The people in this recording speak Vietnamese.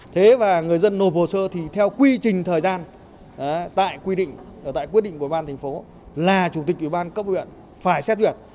thế và người dân nộp hồ sơ thì theo quy trình thời gian tại quy định tại quyết định của ban thành phố là chủ tịch ủy ban cấp huyện phải xét duyệt